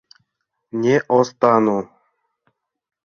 Не остану!